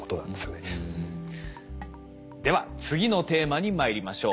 では次のテーマにまいりましょう。